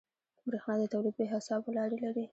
برېښنا د تولید بې حسابه لارې لري.